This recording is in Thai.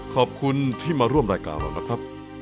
ขอบคุณที่มาร่วมรายการเรานะครับ